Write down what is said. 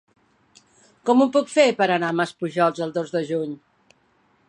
Com ho puc fer per anar a Maspujols el dos de juny?